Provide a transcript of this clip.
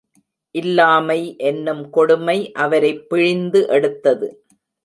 இல்லாமை என்னும் கொடுமை அவரைப் பிழிந்து எடுத்தது.